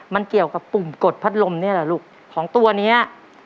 มันเกี่ยวกับปุ่มกดพัดลมนี่แหละลูกของตัวเนี้ย